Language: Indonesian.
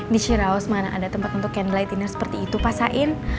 di syiraus mana ada tempat untuk candlelight dinner seperti itu pak sain